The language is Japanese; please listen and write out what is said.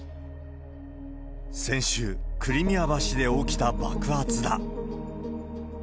先週、クリミア橋で起きた爆発だ。